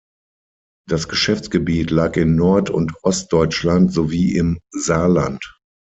Das Geschäftsgebiet lag in Nord- und Ostdeutschland sowie im Saarland.